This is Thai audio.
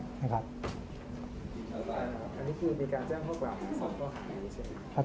อันนี้คือมีการแจ้งพวกเราทั้ง๒คน